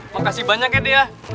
kamu kasih banyak ya dek ya